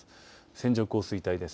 線状降水帯です。